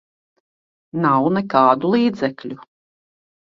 Nav nekādu līdzekļu.